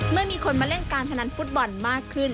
เมื่อมีคนมาเล่นการพนันฟุตบอลมากขึ้น